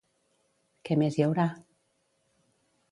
Què més hi haurà?